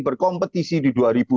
berkompetisi di dua ribu dua puluh